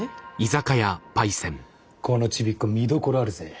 このちびっこ見どころあるぜ。